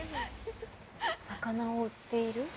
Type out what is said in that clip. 魚を売っている？